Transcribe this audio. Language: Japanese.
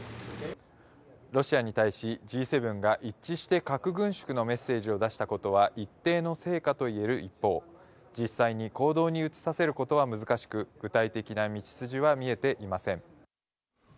ロシアに対し、Ｇ７が一致して核軍縮のメッセージを出したことは、一定の成果といえる一方、実際に行動に移させることは難しく、具体的な道筋は見えていません。